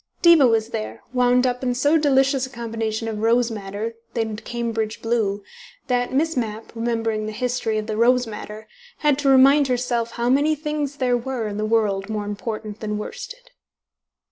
Diva was there, wound up in so delicious a combination of rose madder and Cambridge blue, that Miss Mapp, remembering the history of the rose madder, had to remind herself how many things there were in the world more important than worsted.